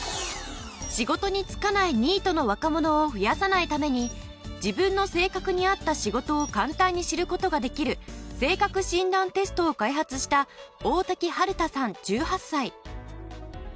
仕事に就かないニートの若者を増やさないために自分の性格に合った仕事を簡単に知る事ができる性格診断テストを開発した大瀧晴太さん１８歳。